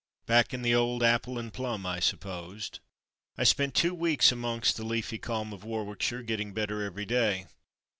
Back in the old "apple and plum,'" I supposed. I spent two weeks amongst the leafy calm of Warwickshire getting better every day.